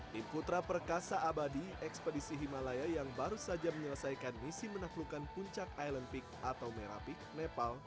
tim putra perkasa abadi ekspedisi himalaya yang baru saja menyelesaikan misi menaklukkan puncak island peak atau merah peak nepal